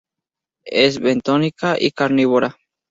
Es bentónica y carnívora.